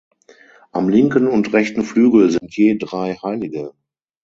Am linken und rechten Flügel sind je drei Heilige.